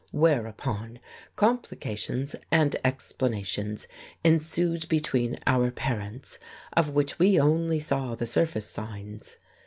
Whereupon complications and explanations ensued between our parents, of which we saw only the surface signs....